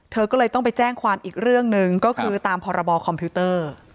เธอก็เลยต้องไปแจ้งความอีกเรื่องหนึ่งก็คือตามพรบคอมพิวเตอร์